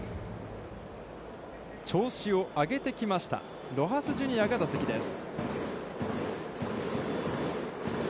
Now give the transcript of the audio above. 調子を上げてきました、ロハス・ジュニアが打席です。